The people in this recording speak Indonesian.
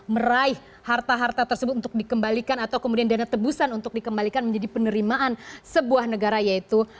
meraih harta harta tersebut untuk dikembalikan atau kemudian dana tebusan untuk dikembalikan menjadi penerimaan sebuah negara yaitu